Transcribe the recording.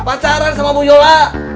pacaran sama bu yola